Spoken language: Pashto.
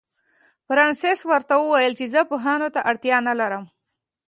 فرانسس ورته وویل چې زه پوهانو ته اړتیا نه لرم.